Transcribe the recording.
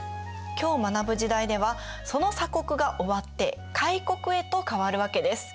今日学ぶ時代ではその鎖国が終わって開国へと変わるわけです。